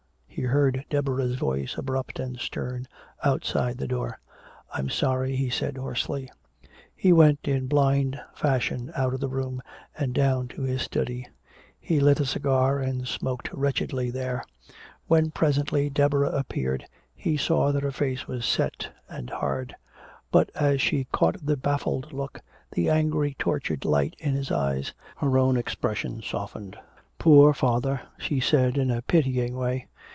He heard Deborah's voice, abrupt and stern, outside the door. "I'm sorry," he said hoarsely. He went in blind fashion out of the room and down to his study. He lit a cigar and smoked wretchedly there. When presently Deborah appeared he saw that her face was set and hard; but as she caught the baffled look, the angry tortured light in his eyes, her own expression softened. "Poor father," she said, in a pitying way.